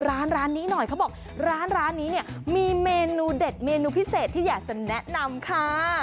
ร้านร้านนี้หน่อยเขาบอกร้านร้านนี้เนี่ยมีเมนูเด็ดเมนูพิเศษที่อยากจะแนะนำค่ะ